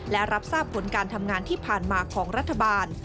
และรับทราบผลการทำงานที่ผ่านมาของรัฐบาล